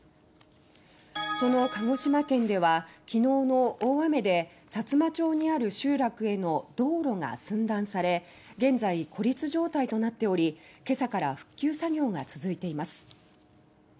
その鹿児島県ではきのうの大雨でさつま町にある集落への道路が寸断され現在、孤立状態となっておりけさから復旧作業が続いています。